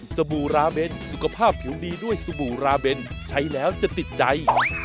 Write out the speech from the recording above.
บู่ราเบนสุขภาพผิวดีด้วยสบู่ราเบนใช้แล้วจะติดใจ